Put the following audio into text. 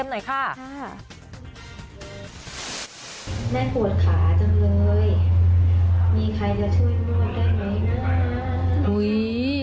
แม่ปวดขาจังเลยมีใครจะช่วยนวดได้ไหม